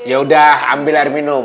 yaudah ambil air minum